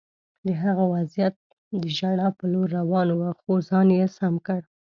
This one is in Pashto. د هغه وضعیت د ژړا په لور روان و خو ځان یې سم کړ